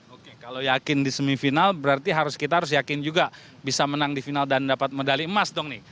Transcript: oke kalau yakin di semifinal berarti kita harus yakin juga bisa menang di final dan dapat medali emas dong nih